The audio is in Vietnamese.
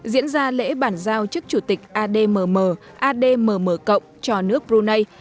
diễn ra lễ bản giao chức chủ tịch admm admm cộng cho nước brunei